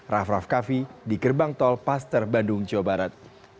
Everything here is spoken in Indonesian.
raff raff kaffi di gerbang tolpaster bandung jawa barat